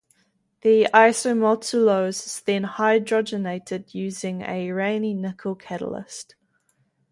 The isomaltulose is then hydrogenated, using a Raney nickel catalyst.